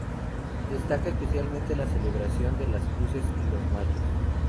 Destaca especialmente la celebración de las Cruces y los Mayos.